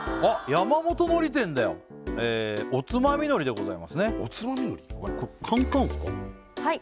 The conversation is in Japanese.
山本海苔店だよおつまみ海苔でございますねおつまみ海苔はい